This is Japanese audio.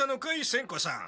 仙子さん。